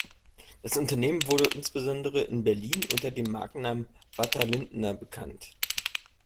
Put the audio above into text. Das Unternehmen wurde insbesondere in Berlin unter dem Markennamen "Butter Lindner" bekannt.